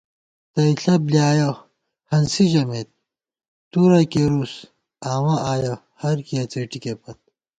تئیݪہ بۡلیایَہ ہنسی ژَمېت، تُرہ کېرُس آمہ آیَہ ہرکِیہ څېٹِکےپت